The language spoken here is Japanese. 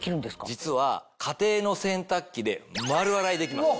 実は家庭の洗濯機で丸洗いできます。